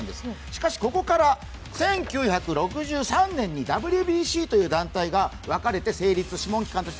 しかし、ここから１９６３年にＷＢＣという団体が分かれて成立しました。